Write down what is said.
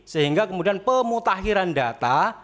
sehingga kemudian pemutahiran data